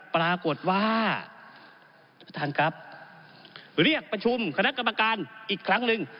ปรากฏว่าประธานครับเรียกประชุมคณะกรรมการอีกครั้งหนึ่ง